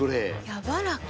やわらか。